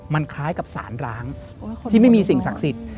มันคล้ายกับสารร้างที่ไม่มีสิ่งศักดิ์สิทธิ์